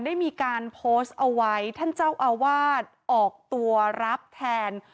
ได้มีการโพสต์เอาไว้ท่านเจ้าอาวาสออกตัวรับแทน